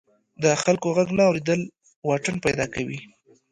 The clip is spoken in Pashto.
د خلکو غږ نه اوریدل واټن پیدا کوي.